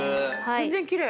全然きれい。